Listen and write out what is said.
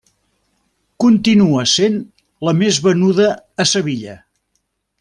Continua sent la més venuda a Sevilla.